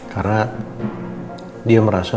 karena dia merasa